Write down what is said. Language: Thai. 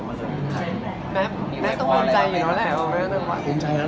คุณแม่ต้องคลุมใจอยู่แล้ว